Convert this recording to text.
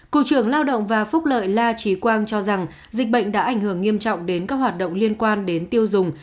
cục trưởng lao động và phúc lợi la trí quang cho rằng dịch bệnh đã ảnh hưởng nghiêm trọng đến các hoạt động liên quan đến tiêu dùng